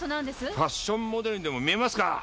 ファッションモデルにでも見えますか？